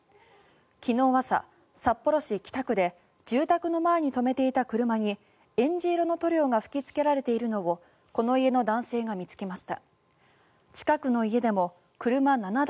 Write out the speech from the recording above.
昨日朝、札幌市北区で住宅の前に止めていた車にえんじ色の塗料が吹きつけられているのをこの家の男性が見つけました。